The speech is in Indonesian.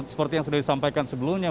seperti yang sudah disampaikan sebelumnya